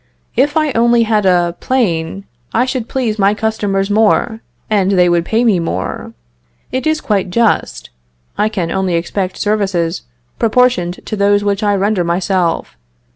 If I only had a plane, I should please my customers more, and they would pay me more. It is quite just; I can only expect services proportioned to those which I render myself.